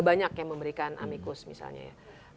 banyak yang memberikan amicus misalnya ya